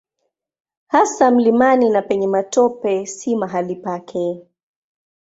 Hasa mlimani na penye matope si mahali pake.